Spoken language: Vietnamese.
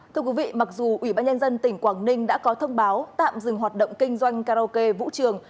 thưa quý vị mặc dù ủy ban nhân dân tỉnh quảng ninh đã có thông báo tạm dừng hoạt động kinh doanh karaoke vũ trường